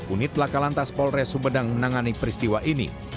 unit lakalan tas polres sumedang menangani peristiwa ini